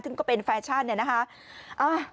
ซึ่งก็เป็นแฟชั่นเนี่ยนะคะ